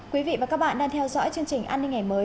quý vị và các bạn đang theo dõi chương trình an ninh ngày mới